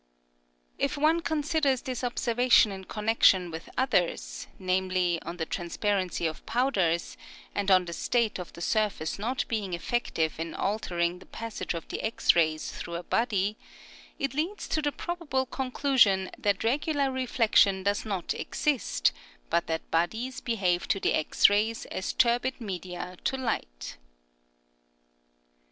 If one considers this observation in con nection with others, namely, on the trans parency of powders, and on the state of the surface not being effective in altering the passage of the X rays through a body, it leads to the probable conclusion that regu lar reflection does not exist, but that bodies behave to the X rays as turbid media to light.